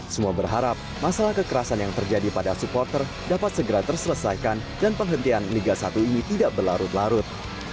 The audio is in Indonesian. semua berharap masalah kekerasan yang terjadi pada supporter dapat segera terselesaikan dan penghentian liga satu ini tidak berlarut larut